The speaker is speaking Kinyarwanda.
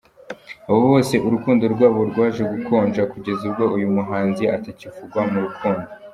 Aba bose urukundo rwabo rwaje gukonja kugeza ubwo uyu muhanzi atakivugwa mu rukundo.